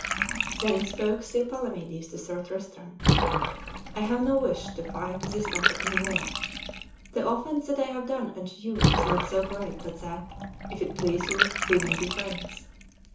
Then spoke Sir Palamedes to Sir Tristram: "I have no wish to fight this battle any more. The offence that I have done unto you is not so great but that, if it please you, we may be friends.